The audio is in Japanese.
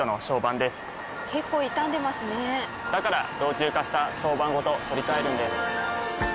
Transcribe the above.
から老朽化した床版ごと取り替えるんです。